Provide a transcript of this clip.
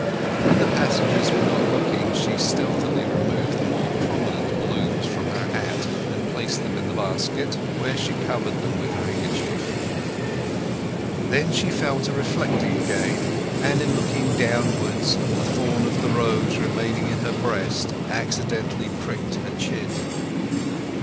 When the passengers were not looking she stealthily removed the more prominent blooms from her hat and placed them in the basket, where she covered them with her handkerchief. Then she fell to reflecting again, and in looking downwards a thorn of the rose remaining in her breast accidentally pricked her chin.